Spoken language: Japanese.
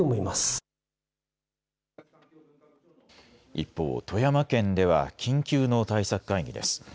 一方、富山県では緊急の対策会議です。